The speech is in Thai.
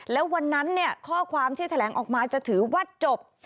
แล้ววันนั้นเนี่ยข้อความที่แถลงออกมาจะถือว่าจบ